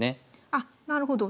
あっなるほど。